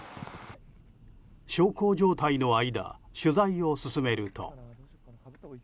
小康状態の間取材を進めると。